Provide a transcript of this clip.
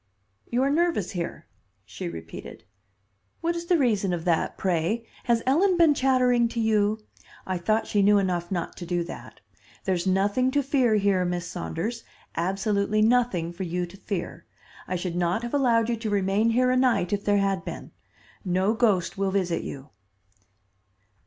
"You are nervous here," she repeated. "What is the reason of that, pray? Has Ellen been chattering to you? I thought she knew enough not to do that. There's nothing to fear here, Miss Saunders; absolutely nothing for you to fear. I should not have allowed you to remain here a night if there had been. No ghost will visit you."